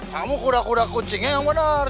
kamu kuda kuda kucingnya yang bener